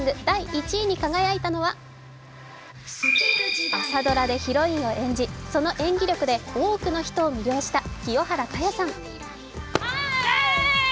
第１位に輝いたのは朝ドラでヒロインを演じ、その演技力で多くの人を魅了した清原果耶さん。